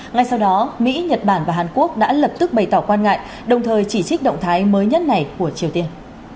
ngay sau đó mỹ nhật bản và hàn quốc đã lập tức bày tỏ quan ngại đồng thời chỉ trích động thái mới nhất này của triều tiên